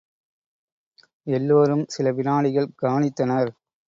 எல்லோரும் சில விநாடிகள் கவனித்தனர்.